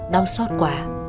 đau xót quá